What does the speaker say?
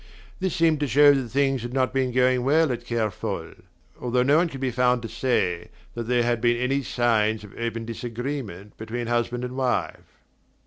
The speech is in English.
This seemed to show that things had not been going well at Kerfol; though no one could be found to say that there had been any signs of open disagreement between husband and wife.